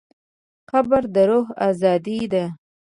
قبر د روح ازادي ده.